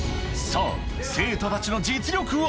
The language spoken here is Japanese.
さあ、生徒たちの実力は。